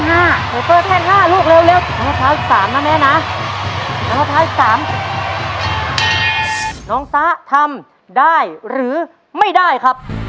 เฮอเฟอร์แพร่น๕ลูก